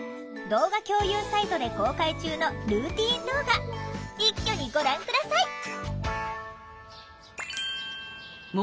動画共有サイトで公開中のルーティン動画一挙にご覧下さい！